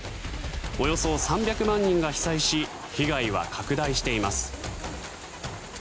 およそ３００万人が被災し被害は拡大しています。